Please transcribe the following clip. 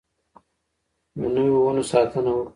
د نويو ونو ساتنه وکړئ.